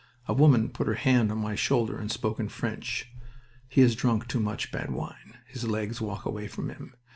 A woman put her hand on my shoulder and spoke in French. "He has drunk too much bad wine. His legs walk away from him.